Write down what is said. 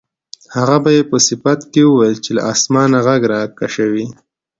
هغه به یې په صفت کې ویل چې له اسمانه غږ راکشوي.